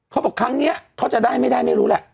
เขาบอกครั้งนี้เขาจะได้ไม่ได้ไม่รู้แหละ